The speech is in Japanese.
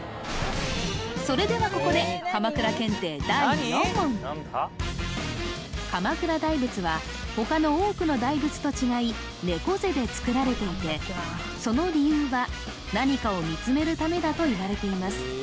それではここで鎌倉大仏は他の多くの大仏と違い猫背でつくられていてその理由は何かを見つめるためだといわれています